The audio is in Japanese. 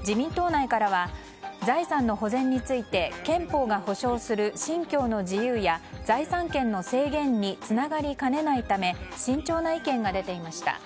自民党内からは財産の保全について憲法が保障する、信教の自由や財産権の制限につながりかねないため慎重な意見が出ていました。